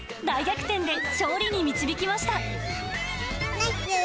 大逆転で勝利に導きました。